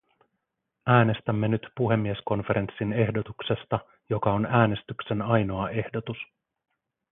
Äänestämme nyt puhemieskonferenssin ehdotuksesta, joka on äänestyksen ainoa ehdotus.